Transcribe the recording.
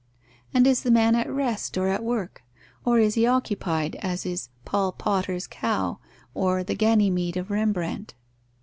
and is the man at rest or at work, or is he occupied as is Paul Potter's cow, or the Ganymede of Rembrandt?"